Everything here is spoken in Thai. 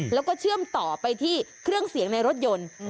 แล้วก็เชื่อมต่อไปที่เครื่องเสียงในรถยนต์